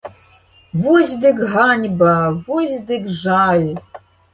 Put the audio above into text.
Вось дык ганьба, вось дык жаль!